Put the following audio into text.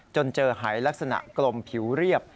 เจอหายลักษณะกลมผิวเรียบ